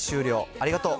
ありがとう！